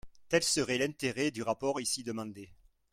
Tel serait l’intérêt du rapport ici demandé.